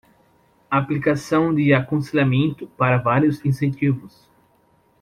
Aplicação de aconselhamento para vários incentivos